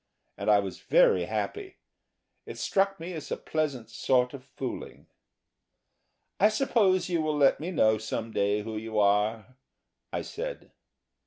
And I was very happy it struck me as a pleasant sort of fooling.... "I suppose you will let me know some day who you are?" I said.